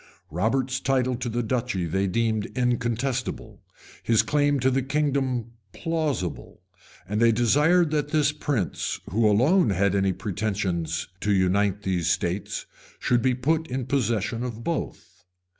] Robert's title to the duchy they esteemed incontestable; his claim to the kingdom plausible; and they all desired that this prince, who alone had any pretensions to unite these states, should be put in possession of both.